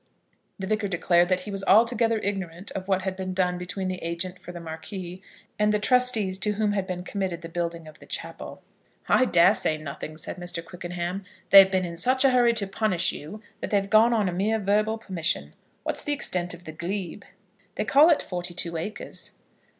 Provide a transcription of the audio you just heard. The Vicar declared that he was altogether ignorant of what had been done between the agent for the Marquis and the trustees to whom had been committed the building of the chapel. "I dare say nothing," said Mr. Quickenham. "They've been in such a hurry to punish you, that they've gone on a mere verbal permission. What's the extent of the glebe?" "They call it forty two acres."